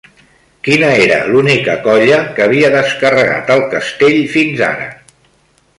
Quina era l'única colla que havia descarregat el castell fins ara?